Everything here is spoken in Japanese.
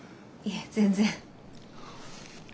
いえ全然。